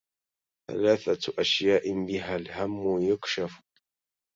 ثلاثة أشياء بها الهم يكشف